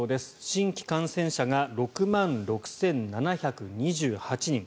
新規感染者が６万６７２８人。